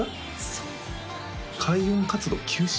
そう開運活動休止？